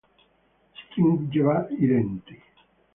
Stringeva i denti.